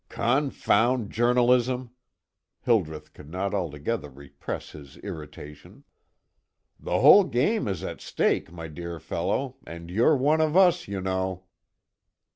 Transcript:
"Confound journalism!" Hildreth could not altogether repress his irritation. "The whole game is at stake, my dear fellow, and you're one of us, you know."